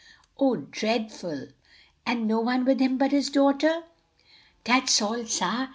"Oh, dreadful! And no one with him but his daughter?" "Dat's all, sah.